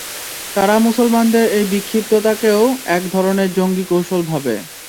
তারা মুসলমানদের এই বিক্ষিপ্ততাকেও এক ধরনের জঙ্গী কৌশল ভাবে।